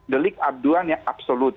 delik aduan yang absolut